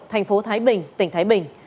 thành phố thái bình tỉnh thái bình